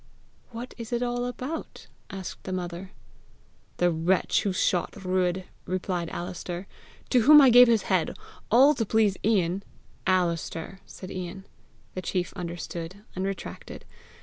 "What is it all about?" asked the mother. "The wretch who shot Ruadh," replied Alister, " to whom I gave his head, all to please Ian, " "Alister!" said Ian. The chief understood, and retracted.